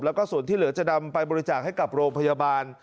แล้วก็ส่วนที่เหลือจะนำไปบริจาคให้กับโรงพยาบาล